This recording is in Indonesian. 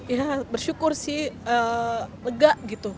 ya bersyukur sih lega gitu